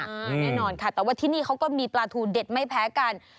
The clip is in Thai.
แน่นอนค่ะแต่ว่าที่นี่เขาก็มีปลาทูเด็ดไม่แพ้กัน